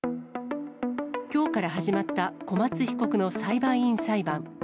きょうから始まった小松被告の裁判員裁判。